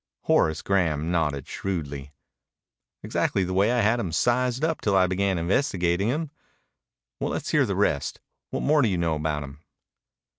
Horace Graham nodded shrewdly. "Exactly the way I had him sized up till I began investigating him. Well, let's hear the rest. What more do you know about him?"